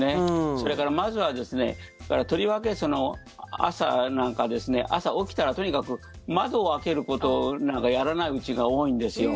それから、まずはとりわけ朝なんか朝、起きたらとにかく窓を開けることなんかやらないうちが多いんですよ。